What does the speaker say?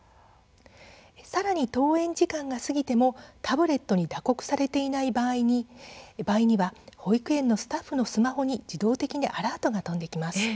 さらに、登園時間が過ぎてもタブレットに打刻されていない場合には保育園のスタッフのスマホに自動的にアラートが飛んできます。